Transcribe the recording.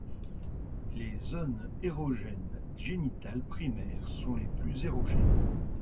Les zones érogènes génitales, primaires, sont les plus érogènes.